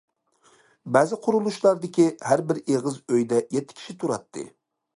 بەزى قۇرۇلۇشلاردىكى ھەربىر ئېغىز ئۆيدە يەتتە كىشى تۇراتتى.